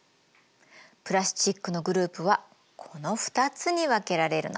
プラスチックのグループはこの２つに分けられるの。